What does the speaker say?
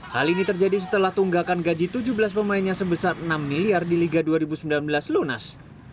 hal ini terjadi setelah tunggakan gaji tujuh belas pemainnya sebesar enam miliar di liga dua ribu sembilan belas lunas